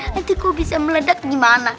nanti kok bisa meledak gimana